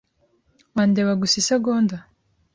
Wandeba gusa isegonda?